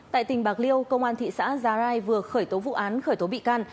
tại tỉnh bạc liêu công an thị xã già rai vừa khởi tố vụ án khởi tố bị can